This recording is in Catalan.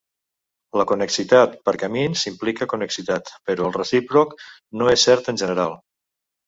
La connexitat per camins implica connexitat, però el recíproc no és cert en general.